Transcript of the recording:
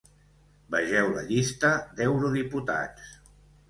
Vegeu la llista d’eurodiputats.